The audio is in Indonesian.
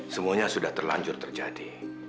semuanya sudah terlanjur terjadi